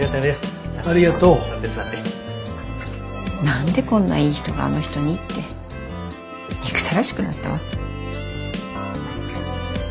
何でこんないい人があの人にって憎たらしくなったわ。